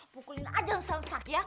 pukulin aja yang samsak ya